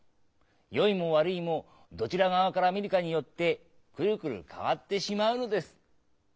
よいも悪いもどちら側から見るかによってクルクル変わってしまうのです。